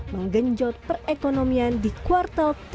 menggenjot perekonomian di kuartal tiga dua ribu dua puluh